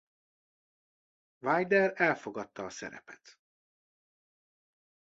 Wilder elfogadta a szerepet.